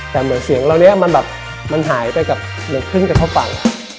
แต่เสียงเราเนี่ยมันหายไปเหมือนขึ้นกับทั่วฝั่ง